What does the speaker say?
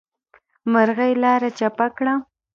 مرغۍ لاره چپه کړه.